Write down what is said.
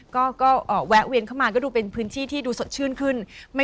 ก็แวะเวียนเข้ามาก็ดูเป็นพื้นที่ที่ดูสดชื่นขึ้น